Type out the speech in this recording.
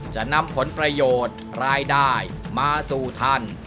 จะนำผลประโยชน์รายได้มาสู่ท่าน